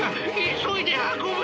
急いで運べ！